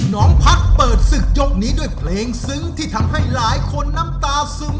น้องพัฒน์เปิดศึกยกนี้ด้วยเพลงซึ้งที่ทำให้หลายคนน้ำตาซึม